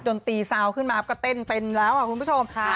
ดนตรีซาวขึ้นมาก็เต้นเป็นแล้วค่ะคุณผู้ชม